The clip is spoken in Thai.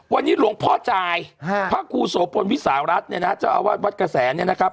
วันนี้หลวงพ่อจายพระครูโสพลวิสารัฐเนี่ยนะเจ้าอาวาสวัดกระแสเนี่ยนะครับ